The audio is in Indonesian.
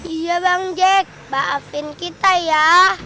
iya bang jack maafin kita ya